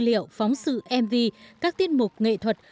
dữ liệu phóng sự mv các tiết mục nghệ thuật